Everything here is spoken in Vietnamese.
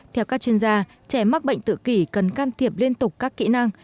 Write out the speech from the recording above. theo các chuyên gia trẻ mắc bệnh tự kỷ cần can thiệp liên tục các kỹ năng